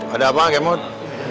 ada apa kemon